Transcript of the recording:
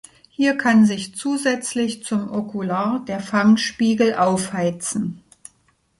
Hier kann sich zusätzlich zum Okular der Fangspiegel aufheizen.